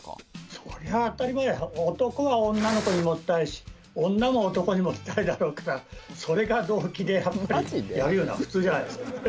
そりゃ当たり前男は女の子にモテたいし女も男にモテたいだろうからそれが動機でやるのは普通じゃないですか？